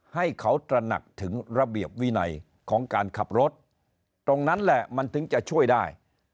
ให้เขาตระหนักถึงระเบียบวินัยของการขับรถตรงนั้นแหละมันถึงจะช่วยได้